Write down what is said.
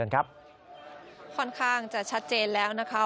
ค่อนข้างจะชัดเจนแล้วนะคะ